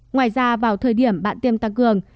ngoài ra vào thời điểm bạn tiêm tăng cường